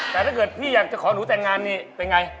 แต่ถ้าเกิดพี่อยากจะขอหนูแต่งงานนี่เป็นไง